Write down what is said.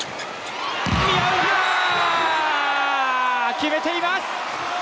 決めています！